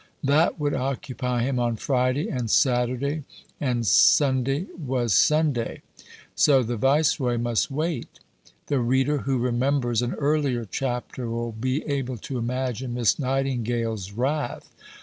That would occupy him on Friday and Saturday, and Sunday was Sunday; so "the Viceroy must wait." The reader who remembers an earlier chapter will be able to imagine Miss Nightingale's wrath.